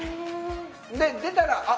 で出たらあっ